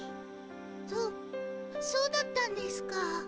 そそうだったんですかあ。